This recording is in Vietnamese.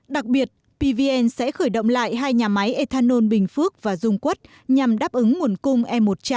đặc biệt pvn sẽ khởi động lại hai nhà máy ethanol bình phước và dung quất nhằm đáp ứng nguồn cung e một trăm linh